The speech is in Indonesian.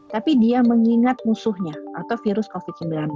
tapi dia mengingat musuhnya atau virus covid sembilan belas